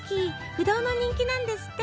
不動の人気なんですって。